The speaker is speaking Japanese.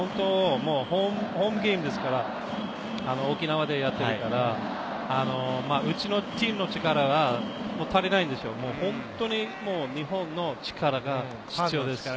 ホームゲームですから、沖縄でやっているから、うちのチームの力が足りないんですよ、日本の力が必要です。